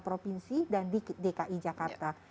provinsi dan di dki jakarta